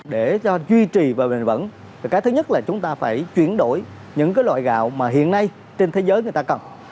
để cho duy trì và bình vẫn cái thứ nhất là chúng ta phải chuyển đổi những loại gạo mà hiện nay trên thế giới người ta cần